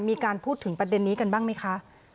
มีไปสีพูดถึงประเด็นนี้บ้างมั้ยคะ